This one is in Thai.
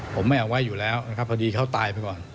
ผมไม่เอาไว้อยู่แล้วนะครับพอดีเขาตายไปก่อน